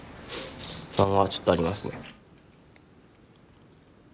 不安はちょっとありますね。